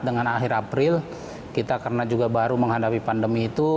dengan akhir april kita karena juga baru menghadapi pandemi itu